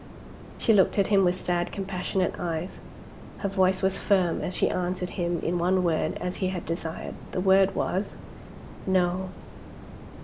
She looked at him with sad compassionate eyes. Her voice was firm as she answered him in one word as he had desired. The word was "No."